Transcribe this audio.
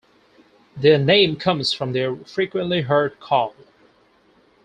Their name comes from their frequently heard call.